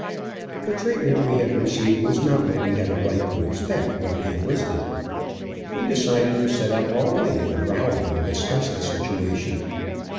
The treatment we had received was not what we had a right to expect when we enlisted. We decided to set up all night, and growl and discuss the situation.